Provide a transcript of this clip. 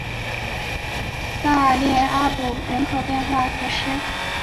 萨勒阿杜人口变化图示